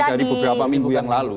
dari beberapa minggu yang lalu